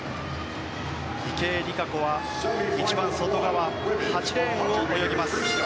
池江璃花子は一番外側８レーンを泳ぎます。